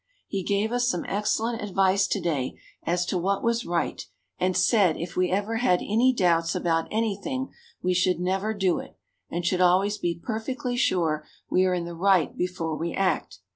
He gave us some excellent advice to day as to what was right and said if we ever had any doubts about anything we should never do it and should always be perfectly sure we are in the right before we act.